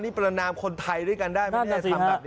นี่ประนามคนไทยด้วยกันได้ไม่น่าจะทำแบบนี้